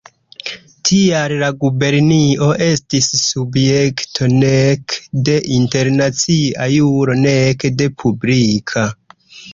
Tial la gubernio estis subjekto nek de internacia juro nek de publika.